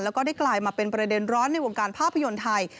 แล้วก็ได้กลายมาเป็นประเด็นร้อนในวงการภาพยนตร์ไทย